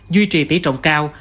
duy trì tỉ trọng cao